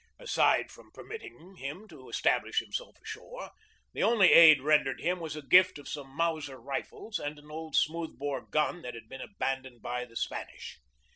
Aside from permitting him to establish himself ashore, the only aid rendered him was a gift of some Mauser rifles and an old smooth bore gun that had been aban doned by the Spanish.